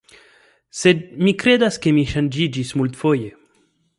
Sed mi kredas ke mi ŝanĝiĝis multfoje.